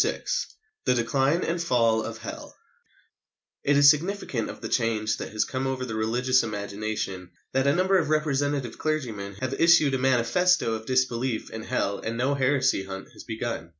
VI THE DECLINE AND FALL OF HELL It is significant of the change that has come over the religious imagination that a number of representative clergymen have issued a manifesto of disbelief in Hell and no heresy hunt has begun.